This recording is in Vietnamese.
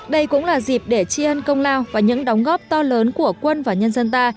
đây cũng là dịp để tri ân công lao và những đóng góp to lớn của quân và nhân dân ta